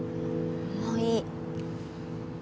もういい。